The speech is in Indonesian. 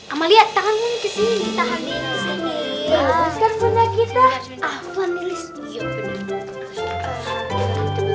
ama liat tangannya kesini